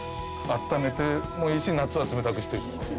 あっためてもいいし夏は冷たくしといても。